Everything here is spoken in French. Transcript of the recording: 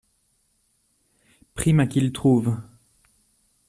Prime à qui le trouve.